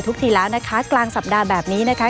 ทีแล้วนะคะกลางสัปดาห์แบบนี้นะคะ